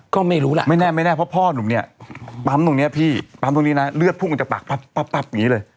ก็ไม่รู้ล่ะไม่แน่ไม่แน่เพราะพ่อหนุ่มเนี่ยปั๊มตรงนี้พี่ปั๊มตรงนี้นะเลือดพุ่งจากปากปั๊บอย่างนี้เลย